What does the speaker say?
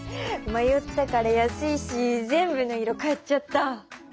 まよったから安いし全部の色買っちゃった。